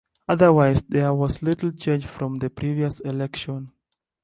Otherwise, there was little change from the previous election.